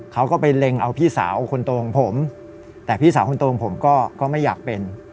เขาก็ไปเล็งเอาพี่สาวคนโตของผมแต่พี่สาวคนโตของผมก็ไม่อยากเป็น